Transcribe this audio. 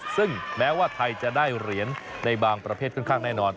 ซึ่งแม้ว่าไทยจะได้เหรียญในบางประเภทค่อนข้างแน่นอน